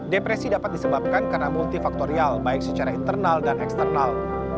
depresi dapat disebabkan karena multifaktorial baik secara internal dan eksternal